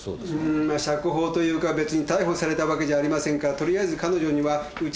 釈放というか別に逮捕されたわけじゃありませんからとりあえず彼女には家へ帰ってもらいました。